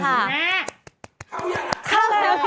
มาแล้วค่ะ